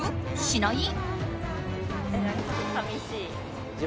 しない？